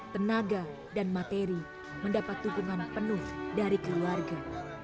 tenaga dan materi mendapat dukungan penuh dari keluarga